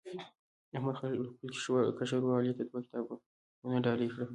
احمد خپل کشر ورر علي ته دوه کتابونه ډالۍ کړل.